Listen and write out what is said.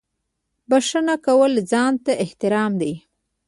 • بښنه کول ځان ته احترام دی.